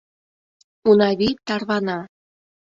Унавий тарвана.